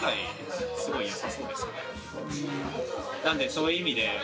なんでそういう意味で。